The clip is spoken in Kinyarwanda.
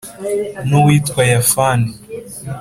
n'uwitwa yafani